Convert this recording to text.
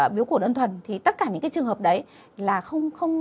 bíu cổ đơn thuần thì tất cả những cái trường hợp đấy là không